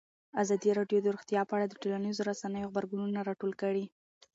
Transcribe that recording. ازادي راډیو د روغتیا په اړه د ټولنیزو رسنیو غبرګونونه راټول کړي.